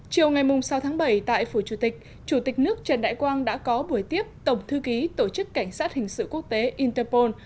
chiều ngày sáu tháng bảy tại phủ chủ tịch chủ tịch nước trần đại quang đã có buổi tiếp tổng thư ký tổ chức cảnh sát hình sự quốc tế interpol